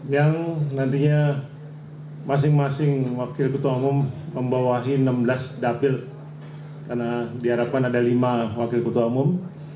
yang nantinya masing masing wakil ketua umum membawahi enam belas dapil karena diharapkan ada lima wakil ketua umum